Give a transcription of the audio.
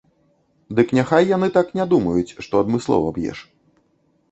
Дык няхай яны так не думаюць, што адмыслова б'еш.